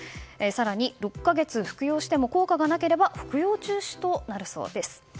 更に６か月服用しても効果がなければ服用中止となるそうです。